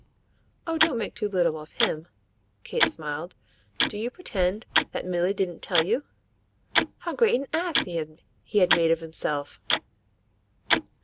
"Oh don't make too little of him!" Kate smiled. "Do you pretend that Milly didn't tell you?" "How great an ass he had made of himself?"